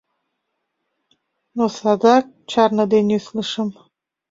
Но садак чарныде нюслышым.